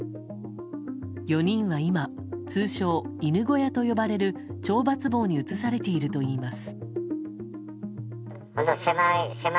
４人は今通称・犬小屋と呼ばれる懲罰房に移されているといいます。